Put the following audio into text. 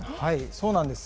そうなんです。